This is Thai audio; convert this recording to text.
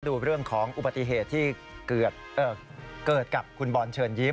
ดูเรื่องของอุบัติเหตุที่เกิดกับคุณบอลเชิญยิ้ม